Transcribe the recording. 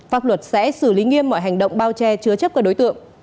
pháp luật sẽ xử lý nghiêm mọi hành động bao che chứa chấp các đối tượng